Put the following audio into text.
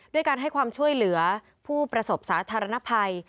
ด้วยการให้ความช่วยเหลือผู้ประสบสาธารณภัย